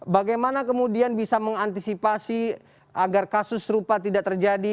bagaimana kemudian bisa mengantisipasi agar kasus serupa tidak terjadi